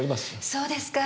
そうですか。